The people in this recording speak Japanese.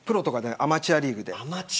アマチュアリーグです。